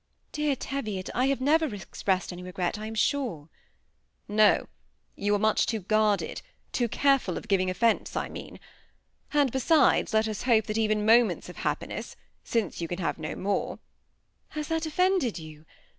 ^ Dear Teviot, I have never expressed any regret, I am sure." " No, you are much too guarded, too careful of giv ing offence I mean ; and besides, let us hope that even moments of happiness, since you can have no more "—^ Has that offended you